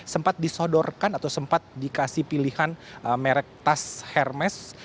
sempat disodorkan atau sempat dikasih pilihan merek tas hermes